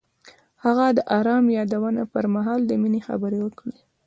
هغه د آرام یادونه پر مهال د مینې خبرې وکړې.